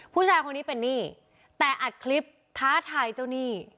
ผู้ชายคนนี้เป็นหนี้แต่อัดคลิปท้าทายเจ้าหนี้